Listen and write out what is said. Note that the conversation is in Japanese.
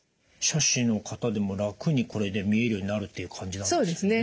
斜視の方でも楽にこれで見えるようになるっていう感じなんですね。